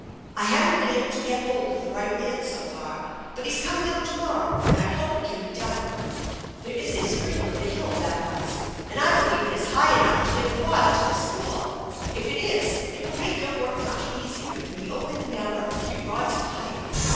I haven't been able to get hold of the right man so far ; but he's coming out to morrow, and I hope it can be done. There is r, spring on the hill back of us, and I believe it is high enough, THE ENCHANTED BARN 101 to get the water to this floor. If it is it will make your work much easier and be only the matter of a few rods of pipe."